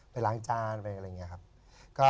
ไปล้างจานไปอะไรอย่างนี้ครับ